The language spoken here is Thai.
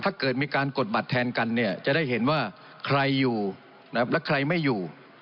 ถ้าเกิดมีการกดบัตรแทนกันเนี่ยจะได้เห็นว่าใครอยู่นะครับและใครไม่อยู่